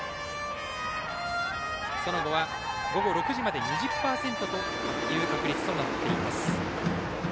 その後は午後６時まで２０％という確率となっています。